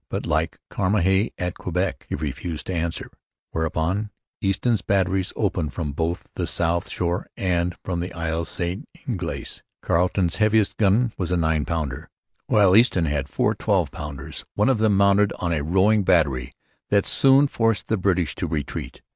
But, like Cramahe at Quebec, he refused to answer; whereupon Easton's batteries opened both from the south shore and from Isle St Ignace. Carleton's heaviest gun was a 9 pounder; while Easton had four 12 pounders, one of them mounted on a rowing battery that soon forced the British to retreat.